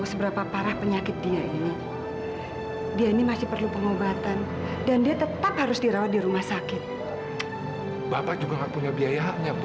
sampai jumpa di video selanjutnya